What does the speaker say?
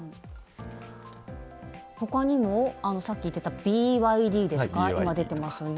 ほかにもさっき言ってたＢＹＤですか今出てますね。